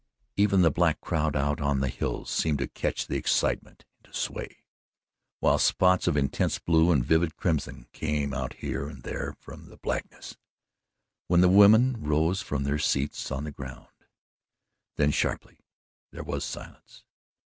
Even the black crowd out on the hills seemed to catch the excitement and to sway, while spots of intense blue and vivid crimson came out here and there from the blackness when the women rose from their seats on the ground. Then sharply there was silence.